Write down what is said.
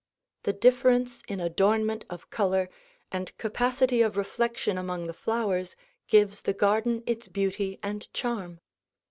The difference in adornment of color and capacity of reflection among the flowers gives the garden its beauty and charm.